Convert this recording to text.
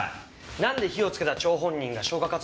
なんで火をつけた張本人が消火活動なんかするんですか？